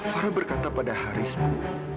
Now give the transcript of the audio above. farah berkata pada haris bu